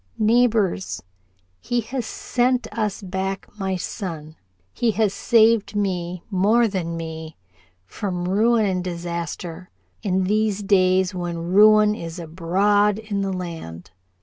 "Neighbors he has sent us back my son. He has saved me more than me from ruin and disaster, in these days when ruin is abroad in the land.